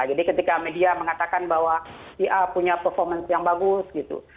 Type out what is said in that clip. jadi ketika media mengatakan bahwa ia punya performance yang bagus gitu